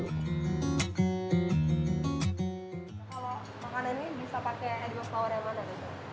kalau makanan ini bisa pakai adobok power yang mana